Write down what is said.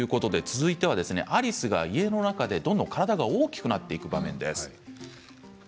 続いては、アリスが家の中でどんどん体が大きくなっていく場面です。